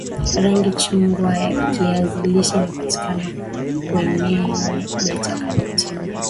rangi chungwa ya kiazi lishe inapatikana kweneye beta karotini